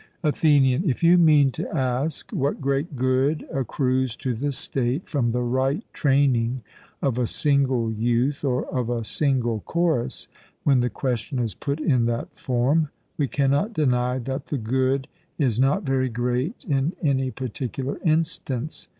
ATHENIAN: If you mean to ask what great good accrues to the state from the right training of a single youth, or of a single chorus when the question is put in that form, we cannot deny that the good is not very great in any particular instance.